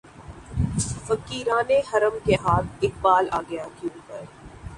فقیران حرم کے ہاتھ اقبالؔ آ گیا کیونکر